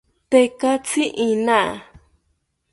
Tekatzi iina